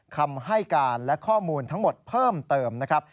คำให้การและข้อมูลทั้งหมดเพิ่มเติมนะครับ